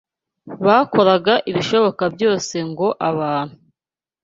Bakoraga ibishoboka byose ngo abantu